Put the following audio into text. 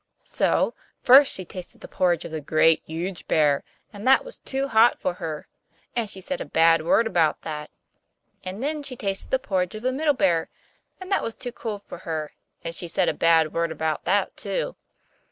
So first she tasted the porridge of the Great, Huge Bear, and that was too hot for her; and she said a bad word about that. And then she tasted the porridge of the Middle Bear; and that was too cold for her; and she said a bad word about that too.